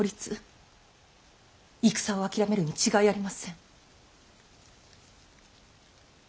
戦を諦めるに違いありません。